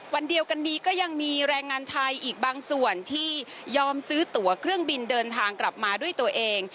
วันเดียวกันนี้ก็ยังมีแรงงานไทยอีกบางส่วนที่ยอมซื้อตัวเครื่องบินเดินทางกลับมาด้วยตัวเอง